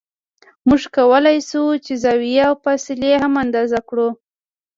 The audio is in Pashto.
موږ کولای شو چې زاویې او فاصلې هم اندازه کړو